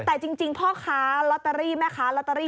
แต่จริงพ่อค้าลอตเตอรี่แม่ค้าลอตเตอรี่